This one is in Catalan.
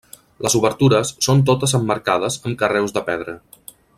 Les obertures són totes emmarcades amb carreus de pedra.